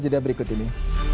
jedah berikut ini